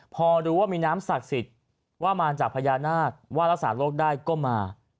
พอรู้ว่ามีน้ำศักดิ์สิทธิ์ว่ามาจากพญานาคว่ารักษาโรคได้ก็มา